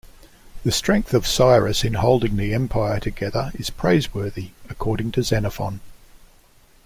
The strength of Cyrus in holding the empire together is praiseworthy according to Xenophon.